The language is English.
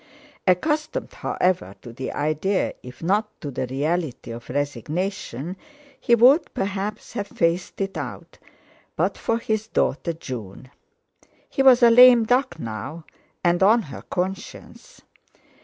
Accustomed, however, to the idea, if not to the reality of resignation, he would perhaps have faced it out but for his daughter June. He was a "lame duck" now, and on her conscience.